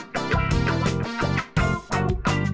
tak apa tak apa